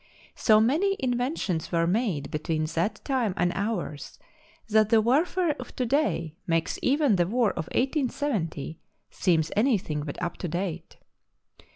So many inventions were made between that time and ours that the warfare of to day makes even the war of 1870 seem any thing but up to date.